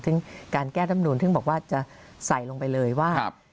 ซึ่งการแก้รำนูนซึ่งบอกว่าจะใส่ลงไปเลยว่า